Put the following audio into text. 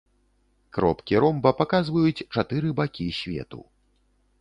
Кропкі ромба паказваюць чатыры бакі свету.